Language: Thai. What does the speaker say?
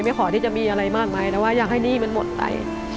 ขอที่จะมีอะไรมากมายแต่ว่าอยากให้หนี้มันหมดไป